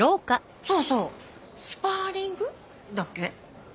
そうそうスパーリング？だっけ？